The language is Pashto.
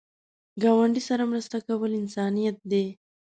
ګاونډي سره مرسته کول انسانیت دی